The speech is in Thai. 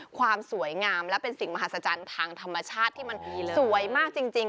ความสวยงามและเป็นสิ่งมหัศจรรย์ทางธรรมชาติที่มันสวยมากจริง